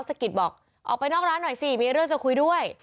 สะกิดบอกออกไปนอกร้านหน่อยสิมีเรื่องจะคุยด้วย